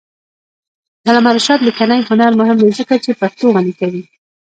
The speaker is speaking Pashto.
د علامه رشاد لیکنی هنر مهم دی ځکه چې پښتو غني کوي.